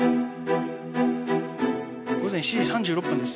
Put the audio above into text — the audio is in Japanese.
午前７時３６分です。